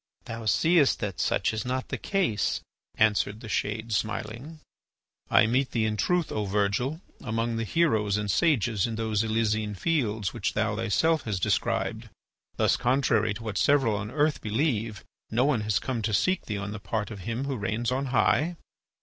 "Thou seest that such is not the case," answered the shade, smiling. "I meet thee in truth, O Virgil, among the heroes and sages in those Elysian Fields which thou thyself hast described. Thus, contrary to what several on earth believe, no one has come to seek thee on the part of Him who reigns on high?"